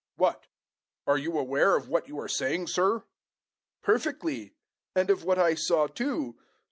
What! Are you aware of what you are saying, sir?" "Perfectly; and of what I saw too.